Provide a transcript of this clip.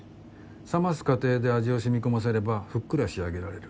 冷ます過程で味を染み込ませればふっくら仕上げられる。